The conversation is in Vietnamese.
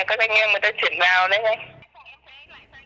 các anh em người ta chuyển vào đấy anh